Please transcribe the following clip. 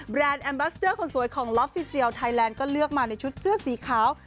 แอมบรัสเดอร์คนสวยของล็อฟฟิเซียลไทยแลนด์ก็เลือกมาในชุดเสื้อสีขาว